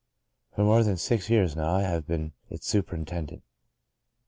For more than six years now I have been its superintendent.